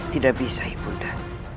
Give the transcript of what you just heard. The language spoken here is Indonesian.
tidak bisa ibunda